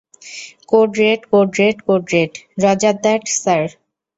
Code red code red code red, roger that, sir.